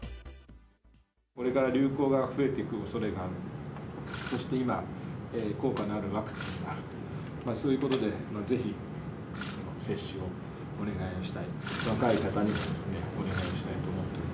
これから流行が増えていくおそれがあり、そして今、効果のあるワクチンだ、そういうことでぜひ接種をお願いしたい。